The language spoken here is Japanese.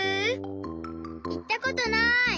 いったことない。